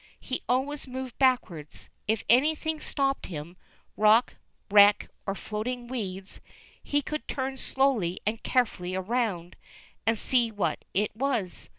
He always moved backwards. If anything stopped him, rock, wreck, or floating weeds, he could turn slowly and carefully around, and see what it was.